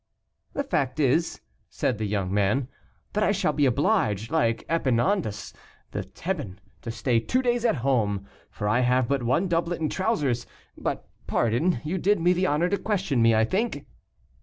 "The fact is," said the young man, "that I shall be obliged, like Epaminondas the Theban, to stay two days at home, for I have but one doublet and trousers. But, pardon, you did me the honor to question me, I think?"